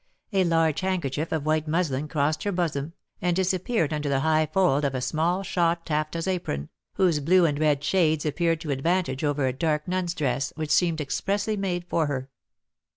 A large handkerchief of white muslin crossed her bosom, and disappeared under the high fold of a small shot taffetas apron, whose blue and red shades appeared to advantage over a dark nun's dress, which seemed expressly made for her.